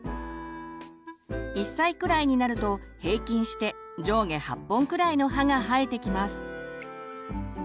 １歳くらいになると平均して上下８本くらいの歯が生えてきます。